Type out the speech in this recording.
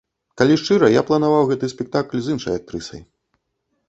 Калі шчыра, я планаваў гэты спектакль з іншай актрысай.